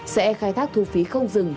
sẽ khai thác thu phí không dừng